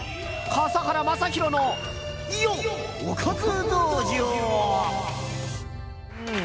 笠原将弘のおかず道場。